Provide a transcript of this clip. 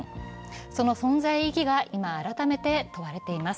その存在意義が今、改めて問われています。